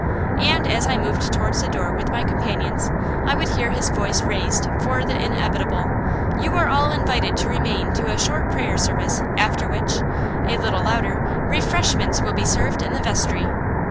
And as I moved towards the door with my companions, I would hear his voice raised for the inevitable "You are all invited to remain to a short prayer service, after which " a little louder "refreshments will be served in the vestry.